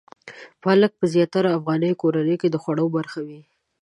پالک په زیاترو افغان کورنیو کې د خوړو برخه وي.